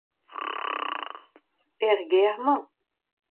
Er gêr emañ ?